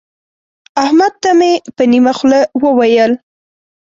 احمد ته مې په نيمه خوله وويل.